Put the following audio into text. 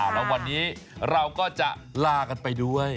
แล้ววันนี้เราก็จะลากันไปด้วย